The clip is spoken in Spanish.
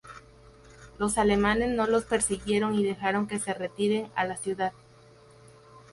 Los alemanes no los persiguieron y dejaron que se retiren a la ciudad.